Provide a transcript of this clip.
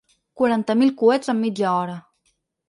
Quaranta mil coets en mitja hora.